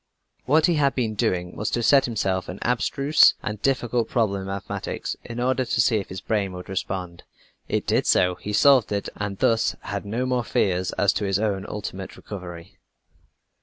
What he had been doing was to set himself an abstruse and difficult problem in mathematics, in order to see if his brain would respond. It did so, he solved it and thus had no more fears as to his own ultimate recovery.